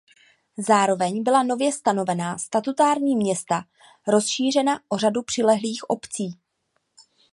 Zároveň byla nově stanovená statutární města rozšířena o řadu přilehlých obcí.